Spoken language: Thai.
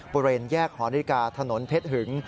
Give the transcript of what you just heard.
บริเวณแยกหอนาฬิกาถนนเพชรหึง